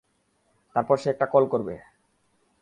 তারপর, সে একটা কল করবে!